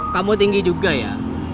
kamu tinggi juga ya